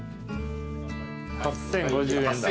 ８，０５０円だ。